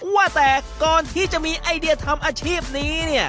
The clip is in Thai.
ว่าแต่ก่อนที่จะมีไอเดียทำอาชีพนี้เนี่ย